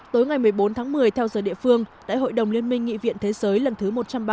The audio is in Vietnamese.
tối ngày một mươi bốn tháng một mươi theo giờ địa phương đại hội đồng liên minh nghị viện thế giới lần thứ một trăm ba mươi